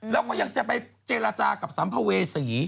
แล้วก็ยังจะไปเจรจากับสัมภเวษี